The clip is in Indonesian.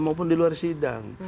maupun di luar sidang